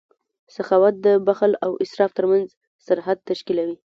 سخاوت د بخل او اسراف ترمنځ سرحد تشکیلوي.